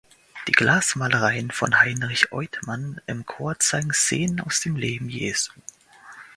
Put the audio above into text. Die Glasmalereien von Heinrich Oidtmann im Chor zeigen Szenen aus dem Leben Jesu.